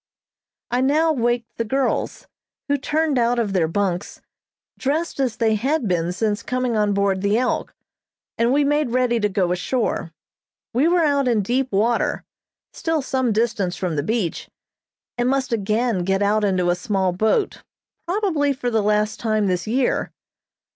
I now waked the girls, who turned out of their bunks, dressed as they had been since coming on board the "Elk," and we made ready to go ashore. We were out in deep water, still some distance from the beach, and must again get out into a small boat, probably for the last time this year.